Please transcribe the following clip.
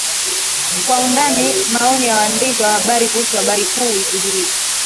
Kwa undani Maoni ya waandishi wa habari kuhusu habari kuu wiki hii